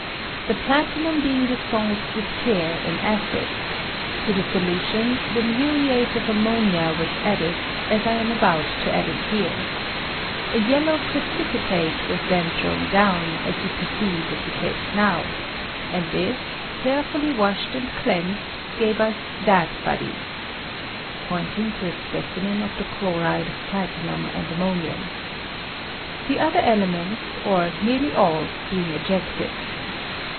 The platinum being dissolved with care in acids, to the solution the muriate of ammonia added, as I am about to add it here. A yellow precipitate was then thrown down, as I 190 SPONGY pitiTiinjM:. you perceive is the case now; and this, care fully washed and cleansed, gave us that body [pointing to a specimen of the chloride of pla tinum and ammonium], the other elements, or nearly all, being ejected.